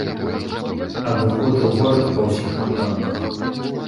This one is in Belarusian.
Абыходжу горад па ўсіх напрамках.